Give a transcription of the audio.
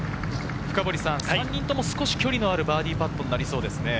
３人とも少し距離のあるバーディーパットになりそうですね。